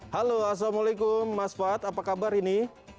halo assalamualaikum mas fad apa kabar ini